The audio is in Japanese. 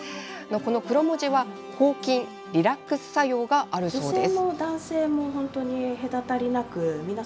クロモジは、抗菌リラックス作用があるそうです。